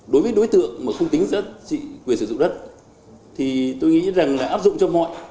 đối với đối tượng mà không tính dẫn quyền sử dụng đất thì tôi nghĩ rằng là áp dụng cho mọi